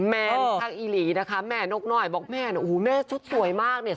แม่ทางอีหลีนะคะแม่นกหน่อยบอกแม่โอ้โหแม่ชุดสวยมากเนี่ย